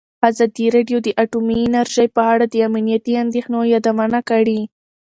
ازادي راډیو د اټومي انرژي په اړه د امنیتي اندېښنو یادونه کړې.